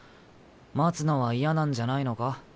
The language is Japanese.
待つのは嫌なんじゃないのか？